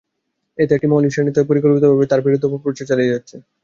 এতে একটি মহল ঈর্ষান্বিত হয়ে পরিকল্পিতভাবে তাঁর বিরুদ্ধে অপপ্রচার চালিয়ে যাচ্ছে।